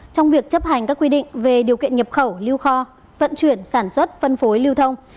trong việc chấp hành các quy định về điều kiện nhập khẩu lưu kho vận chuyển sản xuất phân phối lưu thông